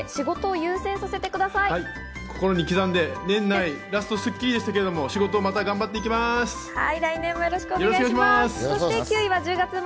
心に刻んで、年内ラスト『スッキリ』でしたけれども、また仕事頑張っていきま